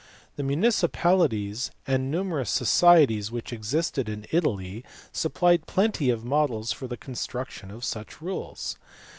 1 The municipalities and numerous societies which existed in Italy supplied plenty of models for the construction of such rules.